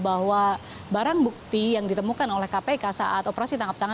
bahwa barang bukti yang sudah disita oleh ppk ini